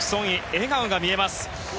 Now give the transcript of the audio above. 笑顔が見えます。